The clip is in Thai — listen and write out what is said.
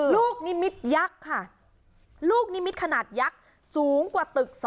ลูกนิมิตยักษ์ค่ะ